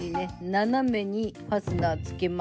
斜めにファスナーつけます。